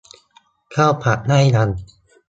เข้าผับได้ยัง